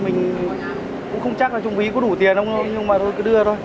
mình cũng chắc là trong ví có đủ tiền không nhưng mà thôi cứ đưa thôi